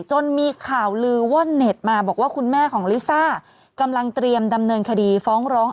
จนมีข่าวลือว่าเน็ตมาบอกว่าคุณแม่ของลิซ่ากำลังเตรียมดำเนินคดีฟ้องร้อง